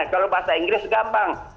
kalau bahasa inggris gampang